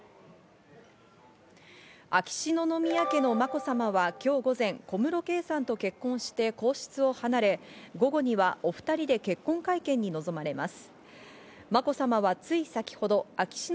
秋篠宮家のまこさまは、きょう午前、小室圭さんと結婚して皇室を離れ、午後にはお２人で結婚会見に臨まれます。